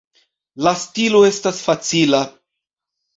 La stilo estas facila.